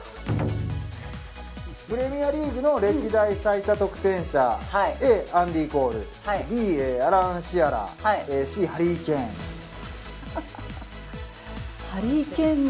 プレミアリーグの歴代最多得点者Ａ、アンディ・コールＢ、アラン・シアラーＣ、ハリー・ケイン。